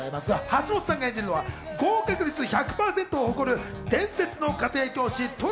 橋本さんが演じるのは合格率１００％を誇る伝説の家庭教師・寅子。